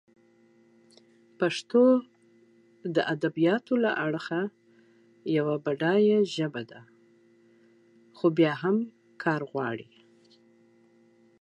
پښتو د ادبیاتو له اړخه یوه غني ژبه ده، خو بیا هم کار غواړي.